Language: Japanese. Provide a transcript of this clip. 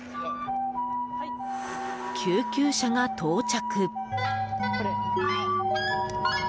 救急車が到着。